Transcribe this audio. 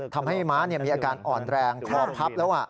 ทำให้ม้ามีอาการอ่อนแรงคอพับแล้ว